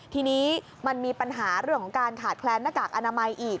ทีนี้มันมีปัญหาเรื่องของการขาดแคลนหน้ากากอนามัยอีก